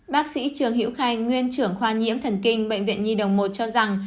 bác sĩ trường hữu khai nguyên trưởng khoa nhiễm thần kinh bệnh viện nhi đồng một cho rằng